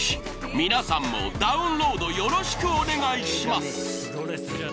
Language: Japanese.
皆さんもダウンロードよろしくお願いします。